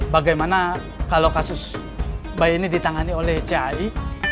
bagaimana kalau kasus bayi ini ditangani oleh cai